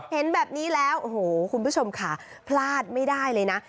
เห็นแบบนี้แล้วโอ้โหคุณผู้ชมค่ะพลาดไม่ได้เลยนะ